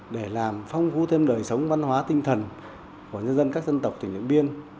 để làm phong phú thêm đời sống văn hóa tinh thần của nhân dân các dân tộc tỉnh điện biên